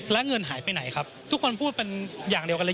แล้วเงินหายไปไหนครับทุกคนพูดเป็นอย่างเดียวกันเลย